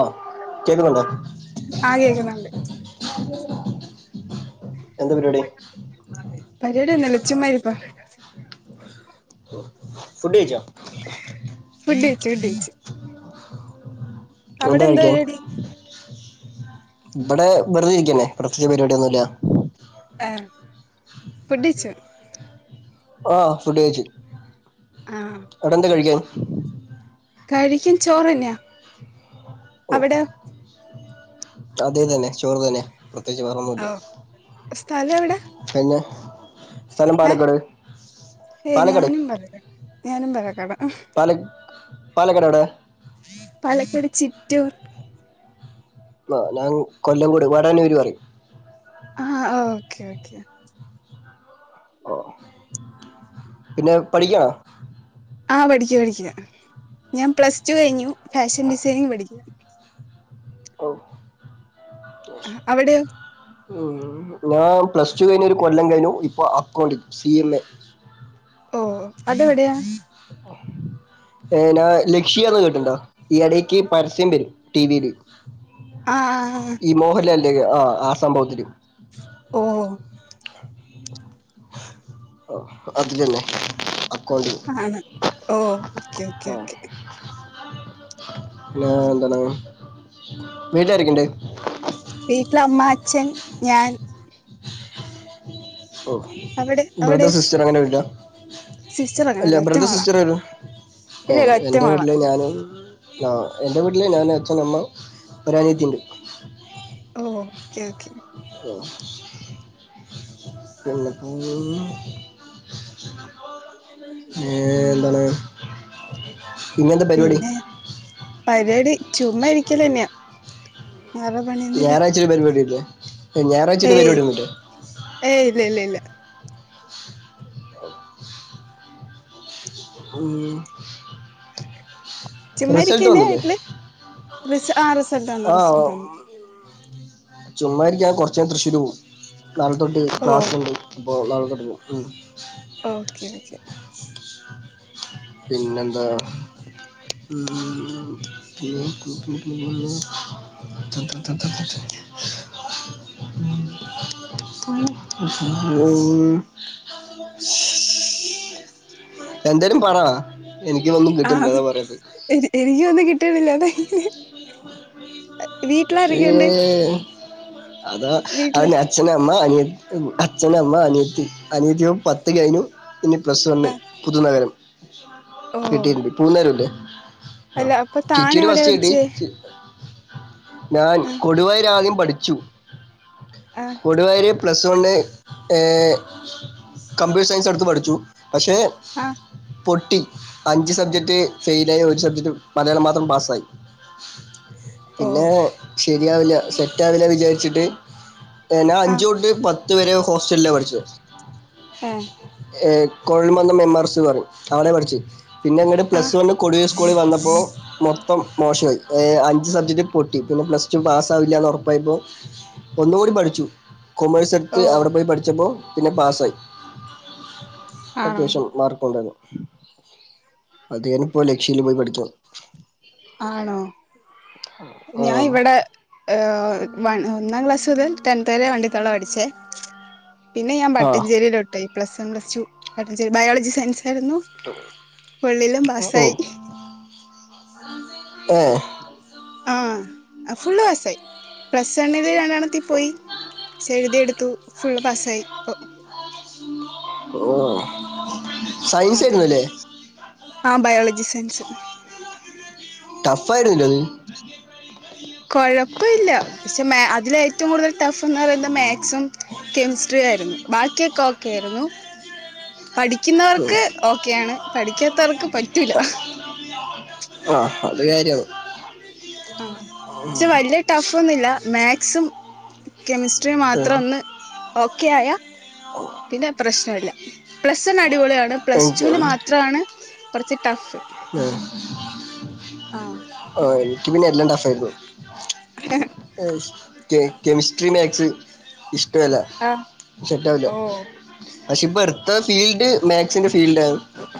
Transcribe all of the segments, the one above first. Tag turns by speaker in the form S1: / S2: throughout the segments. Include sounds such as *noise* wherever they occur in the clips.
S1: ആഹ് കേക്കുന്നുണ്ടോ
S2: *inaudible* ആ കേക്കുന്നുണ്ട്
S1: എന്ത് പരിപാടി
S2: പരിപാടിയൊന്നുല്ല ചുമ്മാ ഇരിപ്പാ
S1: ഓ
S2: ഫുഡെയ്ച്ചു ഫുഡെയ്ച്ചു
S1: എന്താ കഴിക്കാൻ
S2: പരിപാടി
S1: ഇവിടെ വെറുതെ ഇരിക്കന്നെ പ്രത്യേക പരിപാടിയൊന്നും ഇല്ല
S2: ഏ. ഫുഡയ്ച്ചൊ?
S1: ആ. ഫുഡ്യ്ച്ചു.
S2: ആ. ഓക്കെ ക്കെ. കഴിക്കാൻ ചോറന്നെയാ. അവിടെ?
S1: അതെ തന്നെ. ചോറ് തന്നെ. പ്രത്യേകിച്ച് വേറൊന്നൂല്ല.
S2: സ്തല എവിടെ.
S1: സ്ഥലം
S2: ഏ.
S1: പാലക്കാട്
S2: ഏ
S1: പാലക്കാട്
S2: ഞാനും പാലക്കാടാ. ഞാനും പാലക്കാട.
S1: പാല പാലക്കാട് എവിടെ?
S2: പാലക്കാട് ചിറ്റൂർ.
S1: ആ. ഞാൻ കൊല്ലം കൂട് വാടന്നൂര് പറയും
S2: ആ. Okay okay.
S1: പിന്നെ. പഠിക്കാണോ?
S2: ആ പഠിക്കാ പഠിക്കുക. ഞാൻ പ്ലസ് ടു കഴിഞ്ഞു. ഫാഷൻ ഡിസൈനിങ് പഠിക്ക.
S1: ഓ.
S2: അ. അവിടെയോ?
S1: ഉം. ഞാൻ പ്ലസ് ടു കഴിഞ്ഞ ഒരു കൊല്ലം കഴിഞ്ഞു. ഇപ്പൊ അക്കൗണ്ട് സി എം എ.
S2: ഓ. അതെവിടെയാ?
S1: *unintelligible* ഏ ഞാ. ലക്ഷ്യന്ന് കേട്ടിണ്ടോ. ഈ ഇടക്ക് പരസ്യം വരും ടിവിൽ.
S2: ആ ആ ആ.
S1: ആ. ആ സംഭവത്തില്.
S2: ഓ. ഓ.
S1: അത് തന്നെ. അക്കൗണ്ടിങ്ങ്.
S2: ഓ. Okay okay okay.
S1: പിന്നെ എന്താണ്. വീട്ടിലാരെക്കണ്ട്?
S2: വീട്ടില് അമ്മ, അച്ഛൻ, ഞാൻ.
S1: ഓ.
S2: അവിടെ
S1: ബ്രദർ
S2: അവിടെയോ
S1: സിസ്റ്റർ അങ്ങനെ ഇല്ല.
S2: സിസ്റ്റർ
S1: അല്ല.
S2: അങ്ങനെയല്ല
S1: ബ്രദർ
S2: ഒറ്റമോള
S1: സിസ്റ്റർല്ല. ഏ.
S2: ഇല്ലല്ല
S1: എന്റെ
S2: ഒറ്റമോള
S1: വീട്ടില് ഞാന് ആ. എന്റെ വീട്ടില് ഞാൻ അച്ഛൻ, അമ്മ, ഒരനിയത്തിണ്ട്.
S2: ഓ. Okay okay.
S1: ഓ. പിന്നെ. ഉം. ഏ. എന്താണ് ഇന്നെന്താ പരിപാടി.
S2: പിന്നെ പരിപാടി ചുമ്മ ഇരിക്കലന്നെയാ.
S1: ഞായറാഴ്ച്ച ഒരു പരിപാടില്ലേ. ഞായറാഴ്ച്ച ഒരു
S2: ഏയ്
S1: പരിപാടി ഒന്നുല്ലേ.
S2: ഏയ്. ഇല്ല ഇല്ല ഇല്ല.
S1: ഉം. റിസൾട്ട്
S2: ചുമ്മയിരിക്കന്നെ
S1: വന്നില്ലേ
S2: വീട്ടില്. ആ റിസൾട്ട് വന്ന് റിസൾട്ട് വന്ന്.
S1: ചുമ്മായിരിക്ക. ഞാൻ കൊർച്ചയ്ഞ തൃശ്ശൂര് പോവും. നാളെ തൊട്ട്
S2: ഓ
S1: ക്ലാസുണ്ട്. അപ്പൊ നാളെ തൊട്ട് പോവും.
S2: ഓക്കെ. ഓക്കേ.
S1: പിന്നെന്താ. ഉം. ഉം. എന്തേലും പറ. എനിക്ക് ഒന്നും
S2: ആ.
S1: കിട്ടുന്നില്ല അതാ പറയത്
S2: എനിക്കൊന്നും കിട്ടണില്ലതാ. അ വീട്ടിലാരെക്കണ്ട്?
S1: അത അവൻ അച്ഛൻ അമ്മ അനിയൻ അച്ഛന അമ്മ അനിയത്തി അനിയത്തി പത്ത് കൈനു ഇനി പ്ലസ് വണ്
S2: ആ
S1: പുതുനഗരം
S2: ഓ
S1: കിട്ടിണ്ട് പുഴനഗരംല്ലേ ആ
S2: അല്ല അപ്പൊ താൻ
S1: ചിറ്റിരു
S2: എവിടെയാ
S1: ബസ്യി
S2: പഠിച്ചേ
S1: ഞാൻ
S2: ആ
S1: കൊടുവായര് ആദ്യം പഠിച്ചു
S2: ആ
S1: കൊടുവായര് പ്ലസ് വണ് ഏ കമ്പ്യൂട്ടർ സയൻസ് അടുത്ത് പഠിച്ചു പക്ഷെ
S2: ആഹ
S1: പൊട്ടി അഞ്ച് സബ്ജക്റ്റ് ഫെയില ആയി ഒരു സബ്ജക്റ്റ് മലയാളം മാത്രം പാസ്സായി
S2: ഓ
S1: പിന്നെ ശരിയാവില്ല സെറ്റ ആാവില്ല വിചാരിച്ചിട്ട് ഞാൻ
S2: ആ
S1: അഞ്ച തൊട്ട് പത്ത് വരെ ഹോസ്റ്റലെ പഠിച്ചത്
S2: ഏ
S1: ഏ കൊഴൽമന്ദം എംആർസ് പറയും അവളെ പഠിച്ചു പിന്നെ അങ്ങട്ട്
S2: ആ
S1: പ്ലസ് വണ് കൊടിയ സ്കൂളി വന്നപ്പോൾ മൊം മൊപ്പം മോശമായി അഞ്ച് സബ്ജക്റ്റ് പൊട്ടി പിന്നെ പ്ലസ് ടു പാസ്സാവില്ല എന്ന് ഉറപ്പായപ്പോൾ ഒന്നുകൂടി പഠിച്ചു കൊമേഴ്സ് എടുത്ത്
S2: ഓ
S1: അവിടെ പോയി പഠിച്ചപ്പോൾ പിന്നെ പാസ്സായി
S2: ആണോ
S1: അത്യാവശ്യം മാർക്ക ഉണ്ടരുന്നു അത് ഞാനപ്പോ ലക്ഷ്യയില് പോയി പഠിച്ചു
S2: ആണോ ഞാൻ
S1: ആഹ്
S2: ഇവിടെ ഏഹ ഒന്നാം ക്ലാസ് തൽ ടെൻ വരെ വണ്ടിത്തോളം പഠിച്ചേ പിന്നെ ഞാൻ
S1: ആഹ്
S2: പട്ടഞ്ചേരിയിലോട്ടയി പ്ലസ് വൺ പ്ലസ് ടു പെട്ട ശരി ബയോളജി സയൻസ് ായിരുന്നു പള്ളിലും പാസായി
S1: പ
S2: ആഹ ഫുള് വസായി പ്രസണ് ണൽ പോയി ചഴുതി എടുത്തു ഫുള് പാസായി ഇപ്പ
S1: ഓ
S2: അതെെ ആഹ ബയോളജി സയൻസ്
S1: ടഫ്ായിരല്ല
S2: കൊഴപ്പ ഇില്ല പക്ഷെ അതില ഏറ്റവും കൂടുതൽ ടഫ് എന്ന് പറയുന്നത് കെമിസ്ട്രി ആയിരുന്നു ബാക്കിയൊക്കെ ഒക്കെ ആയിരുന്നു
S1: അത് ഉം.
S2: പഠിക്കുന്നവർക്ക് ഓക്കെയ ആാണ് പഠിക്കാത്തവർക്ക് പറ്റൂല
S1: ആ അത് കാര്യമാണ്
S2: ആ പക്ഷെ വലിയ ടഫ് ഒന്നുംില്ല മാത്സും കെമിസ്ട്രി മാത്രം ഒന്ന് ഓക്കെ ആയാ പിന്നെ പ്രശ്നമല്ല പ്ലസ് വൺ അടിപൊളിയാണ് പ്ലസ്
S1: എനിക്ക്
S2: ടുൂൽ മാത്രമാണ് പ്രത്യേ
S1: ആ ആ എനിക്ക് പിന്നെ എല്ലാണ്ടഫായിരുന്നു
S2: ആഹ്
S1: കെമിസ്ട്രി മാത്സ് ഇഷ െ
S2: ഓ
S1: പക്ഷെപ്പ എർത്ത ഫീൽഡ് മാത്സിന്റെ ഫീൽഡ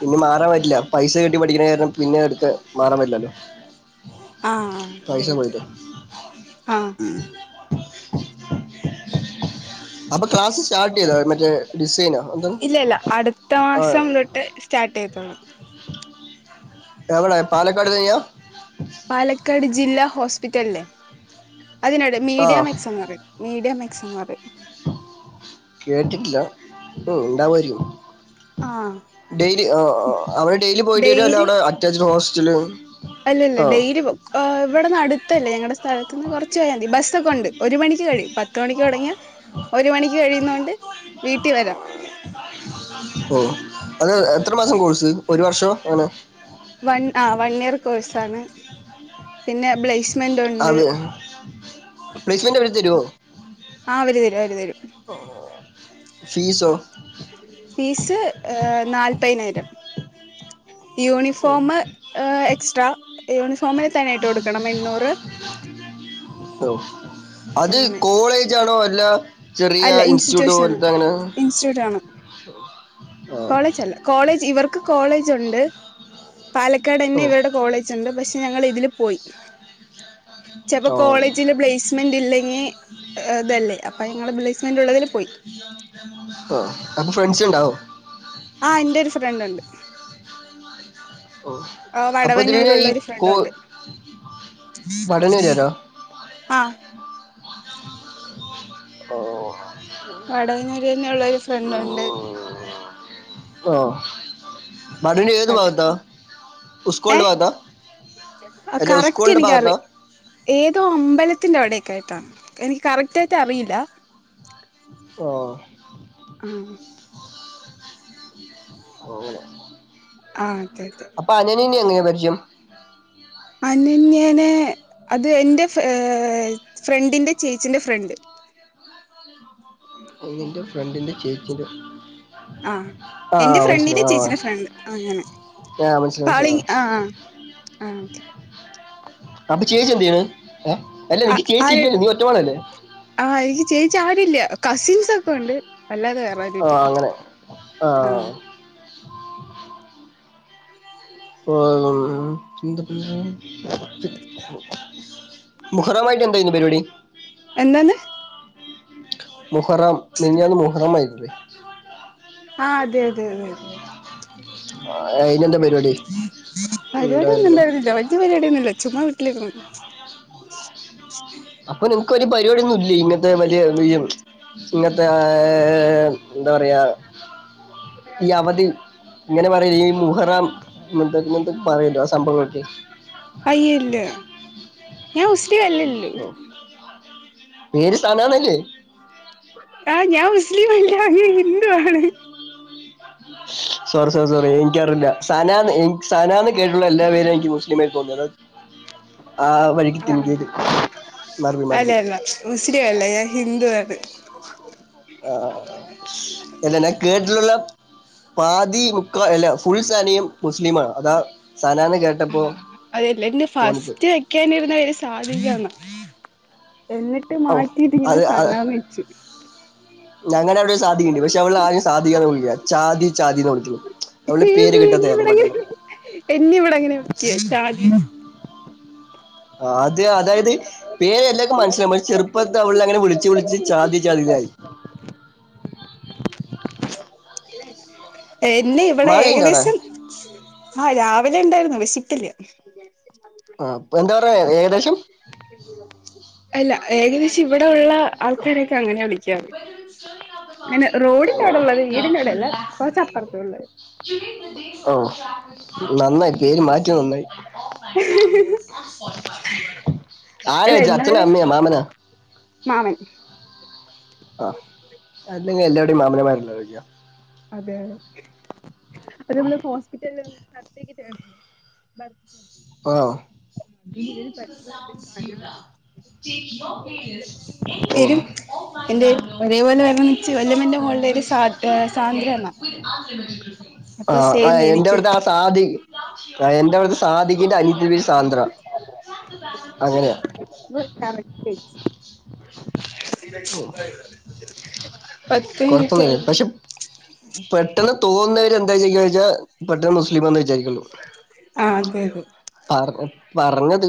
S1: പിന്നെ മാറാൻ പറ്റില്ല പൈസ കിട്ടി പഠിക്കണ കാരണം പിന്നെ എടുക്ക മാറാൻ പറ്റില്ലല്ലോ
S2: ആഹ അതെതെ
S1: ഉ അപ്പൊ ക്ലാസ് സ്റ്റാർട്ട് ചെയ്താ മറ്റേ ഡിസൈന എന്ത
S2: ഇല്ല ഇല്ല
S1: ആ
S2: കേക്കണം
S1: എവിട പാലക്കാട് ത്യാ
S2: പാലക്കാട് ജില്ലാ ഹോസ്പിറ്റലിലില് അതിനോട്
S1: ആ
S2: മീഡിയം എക്സ് എന്ന് പറയും മീഡിയം എക്സ് എന്ന് പറയും
S1: കേട്ടിട്ടില്ല ഉ ഉണ്ടാവകുമായിും
S2: ആഹ്
S1: ഡെയിലി ആ അവടെ ഡെയിലി പോയിട്ട വരുല്ല
S2: ഡെയിലി
S1: അവിടെ അറ്റാച്ച്ഡ് ഹോസ്റ്റല്
S2: അല്ലല്ല
S1: ആ
S2: ഡെയിലി ഇവിടെന്ന് അടുത്തല്ലേ ഞങ്ങളടെ സ്ഥലത്ത് അന്ന് കുറച്ച പോയാൽതി ബസ്സ ഒക്കെ ഉണ്ട് ഒരു മണിക്ക് കഴിയ പത്ത മണി തുടങ്ങിയ ഒരു മണിക്ക് കഴി ന്നൊണ്ട് വീട്ടിൽ വരാം
S1: ഓ അത് എത്ര മാസം കോഴ്സ് ഒരു വർഷം അങ്ങനെ
S2: വൺ ആ വൺ ഇയർ കോഴ്സ്ാണ് പിന്നെ പ്ലെസ്മെന്റ് ഉണ്ട്.
S1: അത് പ്ലേസ്മെന്റ് അവര് തരുവോ
S2: ആ അവര് തരും അവര് തരും
S1: ഓ ഫീസൊ?
S2: നാല്പയിനായിരം യൂണിഫോമ് ഹ് എക്സ്ട്രാ യൂണിഫോമിന് തന്നെയായിട്ട് കൊടുക്കണം എണ്ണൂറ്.
S1: ഓ അത്
S2: അങ്ങനെ
S1: കോളേജാണോ അല്ല ചെറിയ
S2: അല്ല
S1: ഇൻസ്റ്റിറ്റ്യൂട്ട്
S2: ഇൻസ്റ്റിറ്റ്യൂഷൻ
S1: പോലത്തെ അങ്ങനെ ആ ഓ
S2: കോളേജല്ല കോളേജ് ഇവർക്ക് കോളേജ് ഉണ്ട്. പാലക്കാടന്നെ ഇവരുടെ കോളേജ് ഉണ്ട് പക്ഷെ ഞങ്ങൾ ഇതില് പോയി. ചെലപ്പോ
S1: ഓ
S2: കോളേജില് പ്ലേസ്മെന്റ് ഇല്ലെങ്കി ഇതല്ലേ അപ്പൊ ഞങ്ങള് പ്ലേസ്മെന്റ്ള്ളതില്
S1: ആ അപ്പോ ഫ്രണ്ട്സ് ഉണ്ടാവോ?
S2: ആ ഇന്റെ ഒരു ഫ്രണ്ട് ഉണ്ട്.
S1: ഓ
S2: ആ
S1: അപ്പൊ ഇതിന്
S2: വടവന്നൂരുള്ള
S1: ഈ
S2: ഒരു
S1: കോ
S2: ഫ്രണ്ടുണ്ട്.
S1: പഠനം ഇല്ലല്ലോ
S2: ആ
S1: ഓ ഓ ഓ
S2: വടവന്നൂര് തന്നെ ഉള്ള ഒരു ഫ്രണ്ട് ഉണ്ട്.
S1: ആ വടവന്നൂർ ഏത്
S2: അത്
S1: ഭാഗത്താ ഉസ്കൂളിന്റെ ഭാഗത്താ.
S2: ആ
S1: അല്ല
S2: കറക്റ്റ്
S1: ഉസ്കൂളിന്റെ
S2: എനിക്കറി
S1: ഭാഗത്താ
S2: ഏതോ അമ്പലത്തിന്റെ അവിടെ ക്കായിട്ടാണ് എനിക്ക് കറക്റ്റ് ആയിട്ട് അറിയില്ല.
S1: ആഹ്
S2: ഉം
S1: ഓ അങ്ങനെ.
S2: ആഹ്
S1: അപ്പ അനന്യനെ എങ്ങനെ പരിചയം?
S2: അനന്യേനെ അത് എന്റെ ഏഹ് ഫ്രണ്ടിന്റെ ചേച്ചിന്റെ ഫ്രണ്ട്.
S1: നിന്റെ ഫ്രണ്ടിന്റെ ചേച്ചിന്റെ
S2: ആഹ്
S1: ആ
S2: എന്റെ
S1: ആ,
S2: ഫ്രണ്ടിന്റെ
S1: മനസ്സിലായി ആ ആ
S2: ചേച്ചിന്റെ ഫ്രണ്ട് അങ്ങനെ.
S1: ആ, മനസ്സിലായി
S2: പാളി
S1: മനസ്സിലായി ആ
S2: ആഹ് ആതെ.
S1: അപ്പ ചേച്ചി എന്തെയ്യണ്?
S2: ആഹ് ആര് ആഹ് എനിക്ക് ചേച്ചി ആരുല്ല കസിൻസ് ഒക്കെ ഉണ്ട്. അല്ലാതെ വേറെ ആരും
S1: ആ
S2: ഇല്ല
S1: അങ്ങനെ ആ
S2: ആഹ്.
S1: *unintelligible* മുഹറമായിട്ട് എന്തായിരുന്നു പരിപാടി.
S2: എന്താന്ന്?
S1: മുഹറം മിൻഞ്ഞാന്ന് മുഹറം ആയിരുന്ന്
S2: ആഹ് അതെ അതെ അതെ അതെ
S1: ആഹ് അയിനെന്താ *unintelligible*
S2: പരിപാടിയൊന്നും ഇണ്ടായിരുന്നില്ല വല്യ പരിപാടിയൊന്നുല്ല ചുമ്മാ വീട്ടിലിരുന്നു.
S1: അപ്പൊ ഒരു നിനക്ക് പരിപടിയൊന്നും ഇല്ലേ ഇങ്ങനത്തെ വലിയ *unintelligible* ഇങ്ങനത്തെ ആഹ് എന്താ പറയാ ഈ അവധി ഇങ്ങനെ പറ *unintelligible* മുഹറം ഇങ്ങനെത്തെ ഇങ്ങനെത്തെ പറയല്ലോ ആ സംഭവങ്ങളൊക്കെ?
S2: അയ്യോ ഇല്ല ഞാൻ മുസ്ലിം അല്ലല്ലോ.
S1: ഓ. പേര് സനാന്നല്ലേ?
S2: ആ ഞാൻ മുസ്ലിമല്ല ഹിന്ദു ആണ്.
S1: സോറി സോറി സോറി എനിക്കറിയില്ല സനാന്ന് എനിക്ക് സനാന്ന് കേട്ടിട്ടുള്ള എല്ലാ പേരും എനിക്ക് മുസ്ലിമായി തോന്നി അതാ ആ വഴിക്ക് തിങ്കെയ്ത്
S2: അല്ല അല്ല മുസ്ലിം അല്ല ഞാൻ ഹിന്ദു ആണ്.
S1: ആ, അല്ല ഞാൻ കേട്ടിട്ടുള്ള പാതി മുക്കാ എല്ല ഫുൾ സനയും മുസ്ലിമാ അതാ സനാന്ന് കേട്ടപ്പോ
S2: ആഹ് അതല്ല ഇൻ്റെ
S1: തോന്നിപ്പോയി
S2: ഫസ്റ്റ് വെക്കാനിരുന്ന പേര് സാധികാന്നാ എന്നിട്ട്
S1: ഓ
S2: മാറ്റീട്ടിങ്ങനെ
S1: അത്
S2: സനാന്ന് വെച്ച്.
S1: ഞങ്ങളെ അവിടെ ഒര് സാധികണ്ട് പക്ഷെ അവളെ *unintelligible* സാധിക്കാന്ന് വിളിക്കാ ചാതി ചാതീന്നാ വിളിക്കല് അവളെ പേര് കിട്ടത്തില്ല *unintelligible*
S2: ഇന്നെ ഇവിടെ അങ്ങനെയാ വിളിക്കാ ചാതീന്ന്
S1: ആഹ് ആദ്യം അതായത് പേര് എല്ലാർക്കും മനസ്സിലാവും പക്ഷെ ചെറുപ്പത്ത് അവളെ അങ്ങനെ വിളിച്ച് വിളിച്ച് ചാതി ചാതിന്നായി
S2: എന്നെ ഇവിടെ
S1: മഴയുണ്ടോ അവിടെ
S2: ഏകദേശം ആഹ് രാവിലെ ഇണ്ടാരുന്നു. വിശക്കില്ല.
S1: ആഹ് ഇപ്പം എന്നതാറഞ്ഞേ ഏകദേശം
S2: എല്ല ഏകദേശം ഇവിടെ ഉള്ള ആൾക്കാരൊക്കെ അങ്ങനെയാ വിളിക്കാറ്. അങ്ങനെ റോഡിന്റെ അവിടെ ഉള്ളത് വീടിന്റെ അവിടെയല്ല കുറച്ചപ്പുറത്ത ഉള്ളത്
S1: ഓഹ് നന്നായി. പേര് മാറ്റിയെ നന്നായി.
S2: അല്ല
S1: ആരായേച്ഛി? അച്ഛനാ?
S2: എന്നാല്
S1: അമ്മയാ? മാമനാ?
S2: മാമൻ.
S1: ആഹ് അതല്ലെങ്കിലും എല്ലാടെയും മാമൻമാരല്ലെയോ ചോയിക്ക്യ.
S2: അതെ അപ്പോ നമ്മള് ഹോസ്പിറ്റലില് *unintelligible*
S1: ആഹ്
S2: അതിനു ഇവര് *unintelligible* പേരും എന്റെ ഒരേപോലെ വരണംന്ന് വെച്ച്
S1: *unintelligible*
S2: *unintelligible*
S1: *unintelligible* ആ
S2: അപ്പൊ സെയിം
S1: എന്റെ
S2: എനിക്കും
S1: അവിടുത്തെ ആ സാധി എന്റെ അവിടുത്തെ സാധി.. എന്റെ അനിയത്തിയുടെ പേര് സാന്ദ്ര അങ്ങനെയ
S2: *unintelligible* പത്ത്
S1: കുഴപ്പ
S2: മിനിറ്റ്
S1: ഇല്ല
S2: ആയില്ലേ
S1: പക്ഷെ പെട്ടെന്ന് തോന്നുന്നവ എന്താ ചെയ്യായോയ്ച്ചാൽ പെട്ടെന്ന് മുസ്ലിം എന്ന് വിചാരിക്കുള്ളു
S2: ആ അതെ
S1: പറ പറഞ്ഞത്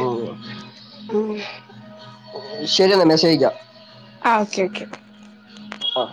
S1: ഉം.
S2: ഉ
S1: ശരിയെന്നാ മെസ്സേജിക്കാം
S2: ആ ഓക്കെ ഓക്കെ
S1: ആഹ